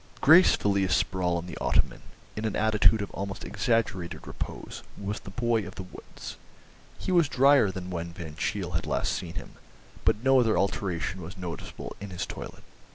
Gracefully asprawl on the ottoman, in an attitude of almost exaggerated repose, was the boy of the woods. He was drier than when Van Cheele had last seen him, but no other alteration was noticeable in his toilet.